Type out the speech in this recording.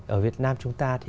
ở việt nam chúng ta thì